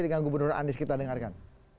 dengan gubernur anies kita dengarkan